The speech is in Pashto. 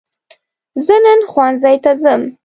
زه نن ښوونځي ته ځم